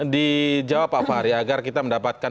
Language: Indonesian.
dijawab pak fahri agar kita mendapatkan